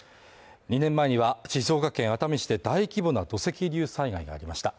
２年前には、静岡県熱海市で大規模な土石流災害がありました。